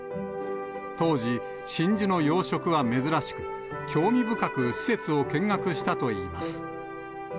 当時、真珠の養殖は珍しく、興味深く施設を見学したといいます。